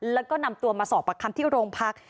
แล้วก็นำตัวมาสอบประคำที่โรงพัก